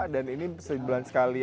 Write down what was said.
dan ini sembilan sekali